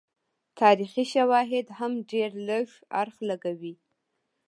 تاریخي شواهد هم ډېر لږ اړخ لګوي.